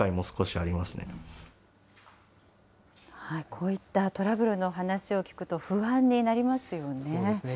こういったトラブルの話を聞くと、不安になりますよね。